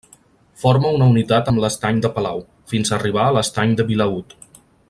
Forma una unitat amb l'estany de Palau, fins a arribar a l'estany de Vilaüt.